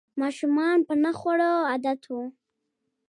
ماشومان په نه خوړو عادت ول